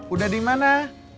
udah di mana